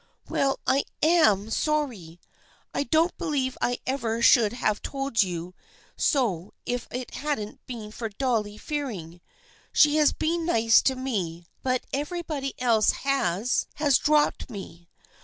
" Well, I am sorry. I don't believe I ever should have told you so if it hadn't been for Dolly Fearing. She has been nice to me, but everybody else has — has dropped me.